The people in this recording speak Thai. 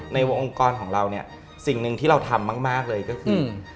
ในวงองค์กรของเราเนี่ยสิ่งหนึ่งที่เราทำมากเลยก็คือ